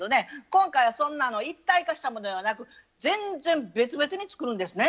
今回はそんな一体化したものではなく全然別々に作るんですね。